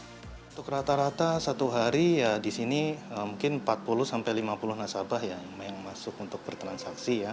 untuk rata rata satu hari ya di sini mungkin empat puluh sampai lima puluh nasabah yang masuk untuk bertransaksi ya